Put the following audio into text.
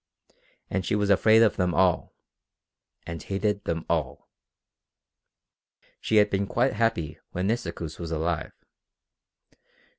And she was afraid of them all, and hated them all. She had been quite happy when Nisikoos was alive.